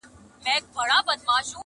پر سرو سکروټو پر اغزیو د بېدیا راځمه -